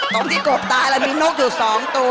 ตรงที่กบตายแล้วมีนกอยู่๒ตัว